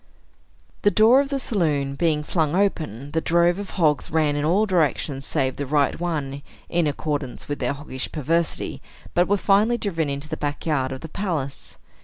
The door of the saloon being flung open, the drove of hogs ran in all directions save the right one, in accordance with their hoggish perversity, but were finally driven into the back yard of the palace.